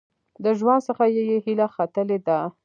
د ژوند څخه یې هیله ختلې ده .